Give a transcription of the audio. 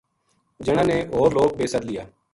جنا نے ہو ر لوک بے سَد لیا